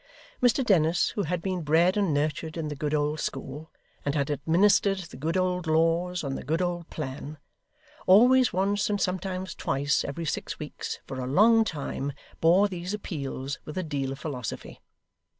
Mr Dennis, who had been bred and nurtured in the good old school, and had administered the good old laws on the good old plan, always once and sometimes twice every six weeks, for a long time, bore these appeals with a deal of philosophy.